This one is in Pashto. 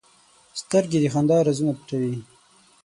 سترګې د خندا رازونه پټوي